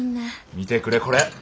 見てくれこれ。